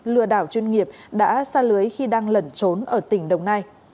lừa đảo chuyên nghiệp đã xa lưới khi đang lẩn trốn ở tỉnh đồng nai